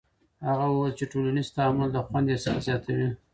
هغه وویل چې ټولنیز تعامل د خوند احساس زیاتوي.